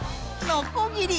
のこぎり。